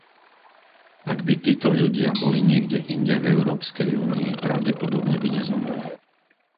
Ak by títo ľudia boli niekde inde v Európskej únii, pravdepodobne by nezomreli.